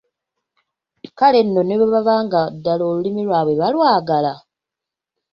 Kale nno bwe baba nga ddala olulimi lwabwe balwagala.